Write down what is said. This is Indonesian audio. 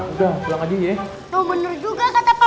udah pulang aja ya